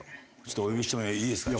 お呼びしてもいいですかね？